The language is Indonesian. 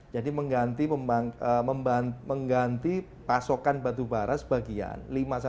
jadi mengganti pasokan batu bara sebagian